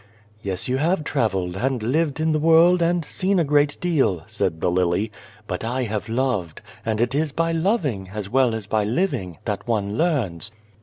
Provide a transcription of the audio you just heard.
" Yes, you have travelled, and lived in the world, and seen a great deal," said the lily ;" but I have loved; and it is by loving, as well as by living, that one learns."